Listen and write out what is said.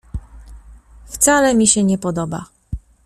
Wcale mi się nie podoba.